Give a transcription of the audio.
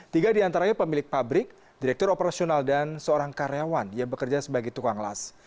tiga diantaranya pemilik pabrik direktur operasional dan seorang karyawan yang bekerja sebagai tukang las